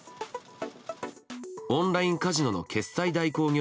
オンラインカジノ決済代行業